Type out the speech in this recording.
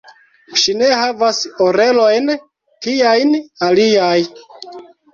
Ŝi ne havas orelojn kiajn aliaj.